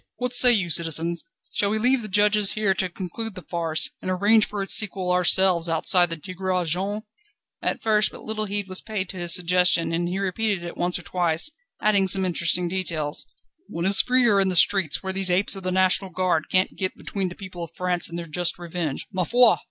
What say you, citizens? Shall we leave the judges here to conclude the farce, and arrange for its sequel ourselves outside the 'Tigre Jaune'?" At first but little heed was paid to his suggestion, and he repeated it once or twice, adding some interesting details: "One is freer in the streets, where these apes of the National Guard can't get between the people of France and their just revenge. _Ma foi!